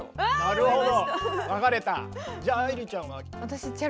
なるほど。